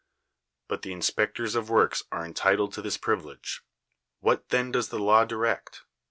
But the in spectors of works are entitled to this privilege. What then does the law direct?